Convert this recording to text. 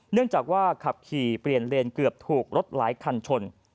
เนื่องจากว่าขับขี่เปลี่ยนเลนเกือบถูกรถหลายคันชน